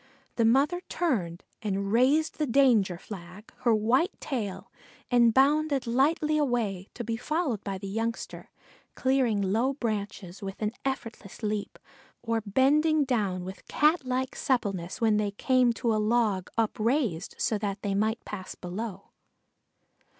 The mother turned and raised the danger flag, her white tail, and bounded lightly away, to be followed by the youngster, clearing low trunks with an effortless leap, or bending down with catlike suppleness when they came to a log upraised so that they might pass below.